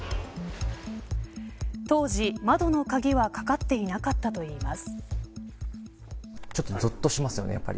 当時、窓の鍵はかかっていなかったといいます。